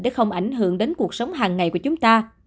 để không ảnh hưởng đến cuộc sống hàng ngày của chúng ta